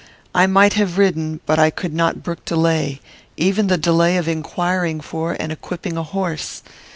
I might have ridden; but I could not brook delay, even the delay of inquiring for and equipping a horse.